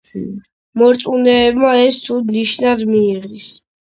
მორწმუნეებმა ეს ცუდ ნიშნად მიიღეს.